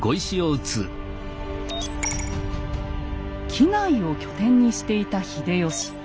畿内を拠点にしていた秀吉。